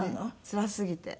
つらすぎて。